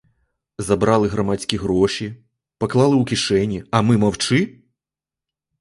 Забрали громадські гроші, поклали у кишені, а ми мовчи?!